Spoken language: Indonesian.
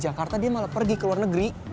gue di jakarta dia malah pergi ke luar negeri